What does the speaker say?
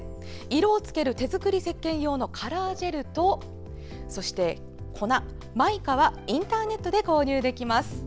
色をつける手作りせっけん用のカラージェルとそして、粉のマイカはインターネットで購入できます。